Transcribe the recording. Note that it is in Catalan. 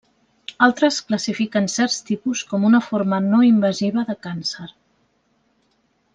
Altres classifiquen certs tipus com una forma no invasiva de càncer.